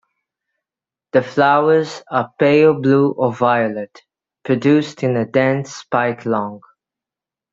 The flowers are pale blue or violet, produced in a dense spike long.